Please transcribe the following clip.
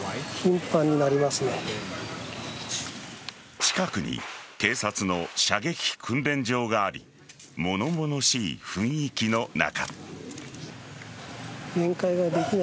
近くに警察の射撃訓練場があり物々しい雰囲気の中。